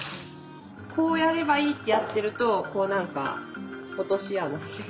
「こうやればいい」ってやってるとこうなんか落とし穴に落ちる。